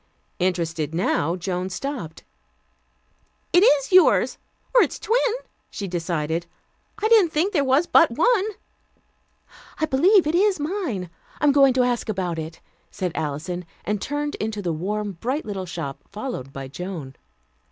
Interested now, Joan stopped. "It is yours, or its twin," she decided. "I didn't think there was but one." "I believe it is mine. I'm going in to ask about it," said Alison, and turned into the warm bright little shop, followed by Joan.